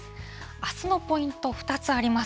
あすのポイント、２つあります。